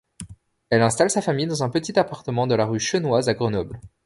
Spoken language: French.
Elle installe sa famille dans un petit appartement de la rue Chenoise à Grenoble.